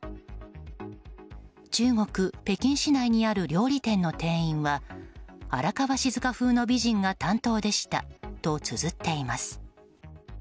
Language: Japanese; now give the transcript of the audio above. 中国・北京市内にある料理店の店員は荒川静香風の美人が担当でしたとつづっています。